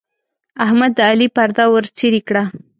احمد د علي پرده ورڅيرې کړه.